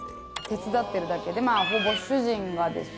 手伝ってるだけでまぁほぼ主人がです。